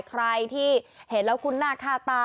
ใครที่เห็นแล้วคุ้นหน้าค่าตา